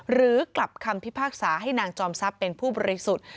หรือกลับคำพิพากษาให้นางจอมทรัพย์เป็นผู้บริสุทธิ์